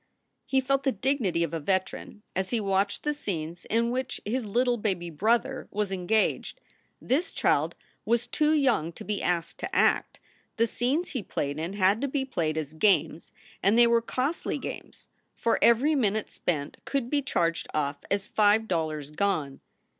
He felt the dignity of a veteran as he watched the scenes in which his little baby "brother" was engaged. This child was too young to be asked to act. The scenes he played in had to be played as games and they were costly games, for every minute spent could be charged off as five dollars gone.